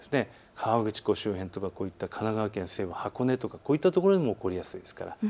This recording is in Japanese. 河口湖周辺とか神奈川県西部、箱根とかこういったところでも起こりやすいです。